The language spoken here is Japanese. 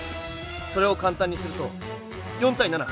それをかんたんにすると４対７。